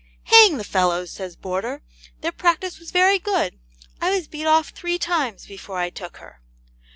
'Hang the fellows,' says Boarder, 'their practice was very good. I was beat off three times before I took her.'